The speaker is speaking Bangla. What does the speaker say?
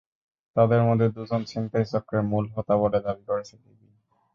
তাঁদের মধ্যে দুজন ছিনতাই চক্রের মূল হোতা বলে দাবি করেছে ডিবি।